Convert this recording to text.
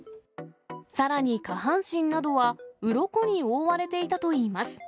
さらに下半身などは、うろこに覆われていたといいます。